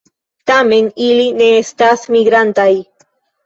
Tamen ili ne estas migrantaj.